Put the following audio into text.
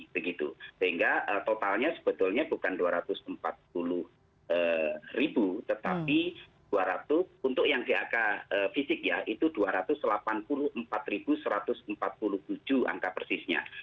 sehingga totalnya sebetulnya bukan dua ratus empat puluh ribu tetapi dua ratus untuk yang di angka fisik ya itu dua ratus delapan puluh empat satu ratus empat puluh tujuh angka persisnya